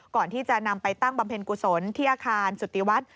ก่อนที่จะนำไปตั้งบำเพ็ญกุศลที่อาคารจุติวัฒน์